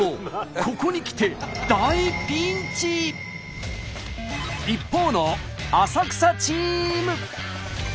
ここにきて一方の浅草チーム。